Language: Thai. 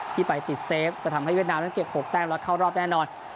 ที่ไปติดเซฟก็ทำให้เวียดนามนั้นเก็บ๖แต้มแล้วเข้ารอบแน่นอน